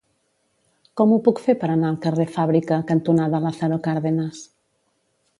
Com ho puc fer per anar al carrer Fàbrica cantonada Lázaro Cárdenas?